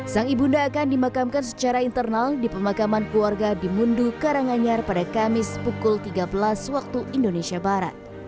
sang ibunda akan dimakamkan secara internal di pemakaman keluarga di mundu karanganyar pada kamis pukul tiga belas waktu indonesia barat